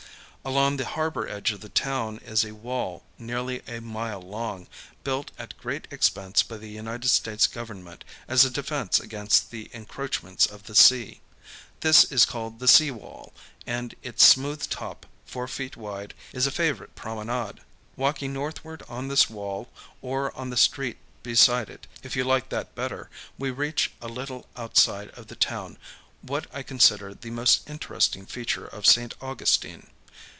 Along the harbor edge of the town is a wall nearly a mile long, built at great expense by the United States Government as a defense against the encroachments of the sea. This is called the sea wall, and its smooth top, four feet wide, is a favorite promenade. Walking northward on this wall, or on the street beside[Pg 112] it, if you like that better, we reach, a little outside of the town, what I consider the most interesting feature of St. Augustine.